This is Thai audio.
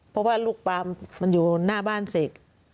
เพราะว่าลูกปลามมันอยู่หน้าบ้านเสก